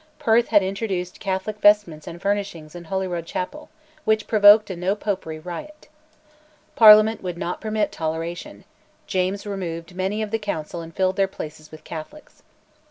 Perth had introduced Catholic vestments and furnishings in Holyrood chapel, which provoked a No Popery riot. Parliament would not permit toleration; James removed many of the Council and filled their places with Catholics.